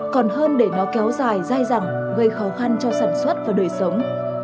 còn hơn để nó kéo dài dai dẳng gây khó khăn cho sản xuất và đời sống